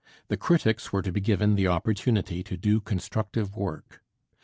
The critics were to be given the opportunity to do constructive work.